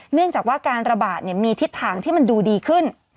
เนื่องจากว่าการระบาดมีทิศทางที่มันดูดีขึ้น